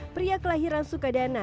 pria kelahiran sukadana